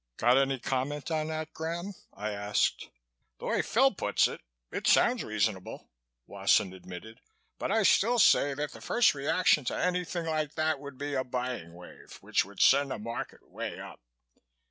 "Got any comment on that, Graham?" I asked. "The way Phil puts it, it sounds reasonable," Wasson admitted, "but I still say that the first reaction to anything like that would be a buying wave which would send the market way up."